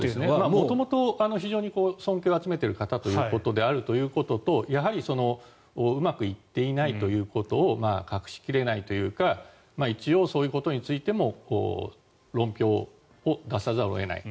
元々、非常に尊敬を集めている方であるということとやはりうまくいっていないということを隠し切れないというか一応、そういうことについても論評を出さざるを得ない。